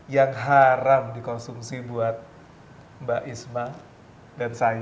yang haram dikonsumsi buat mbak isma dan saya